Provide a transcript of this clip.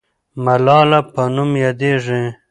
ملاله په نوم یادېږي.